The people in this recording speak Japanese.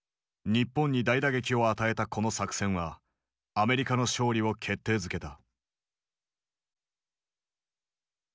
日本に大打撃を与えたこの作戦はアメリカの勝利を決定づけた。